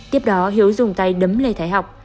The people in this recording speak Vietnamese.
tiếp đó hiếu dùng tay đấm lê thái học